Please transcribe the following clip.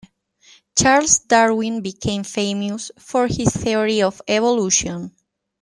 Charles Darwin became famous for his theory of evolution.